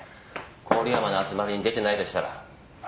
郡山の集まりに出てないとしたら？